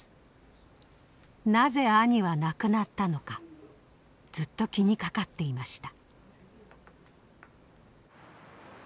なぜ兄は亡くなったのかずっと気にかかっていました。